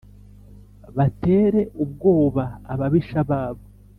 batere ubwoba ababisha babo